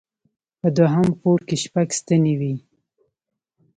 په دوهم پوړ کې شپږ ستنې وې.